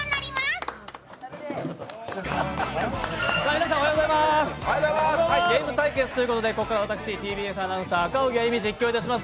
皆さん、おはようございますゲーム対決ということで、ここからは私、ＴＢＳアナウンサー、赤荻歩実況いたします。